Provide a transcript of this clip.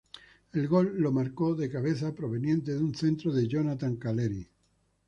El gol lo marcó de cabeza proveniente de un centro de Jonathan Calleri.